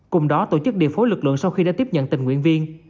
cùng đó tổ chức điều phối lực lượng sau khi đã tiếp nhận tình nguyện viên